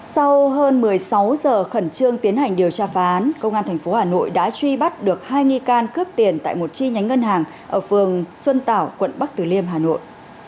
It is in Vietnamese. sau hơn một mươi sáu giờ khẩn trương tiến hành điều tra phá án công an tp hà nội đã truy bắt được hai nghi can cướp tiền tại một chi nhánh ngân hàng ở phường xuân tảo quận bắc từ liêm hà nội